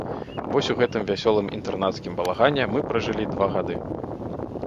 Вось у гэтым вясёлым інтэрнацкім балагане мы пражылі два гады.